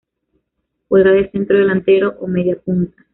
Juega de centro delantero o media punta.